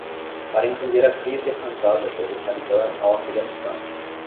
Para entender a crise causada pelo Talibã ao Afeganistão